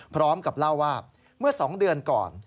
พร้อมกับเล่าว่าเมื่อ๒เดือนก่อน